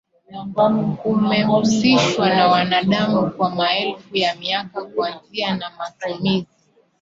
umehusishwa na wanadamu kwa maelfu ya miaka kuanzia na matumiz